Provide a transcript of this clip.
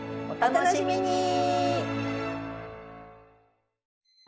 お楽しみに！